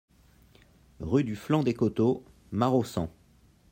Rue du Flanc des Côteaux, Maraussan